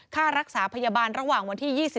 ค่ารักษาพยาบาลระหว่างวันที่๒๔